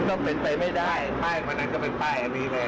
ก็เป็นไปไม่ได้ป้ายวันนั้นก็เป็นป้ายอันนี้เลย